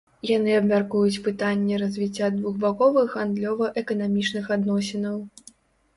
Яны абмяркуюць пытанні развіцця двухбаковых гандлёва-эканамічных адносінаў.